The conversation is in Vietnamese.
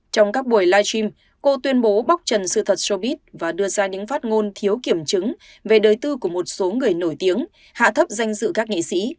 trong các buổi live stream cô tuyên bố bóc trần sự thật sobit và đưa ra những phát ngôn thiếu kiểm chứng về đời tư của một số người nổi tiếng hạ thấp danh dự các nghệ sĩ